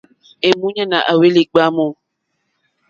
Èmúɲánà à hwélì ɡbwámù.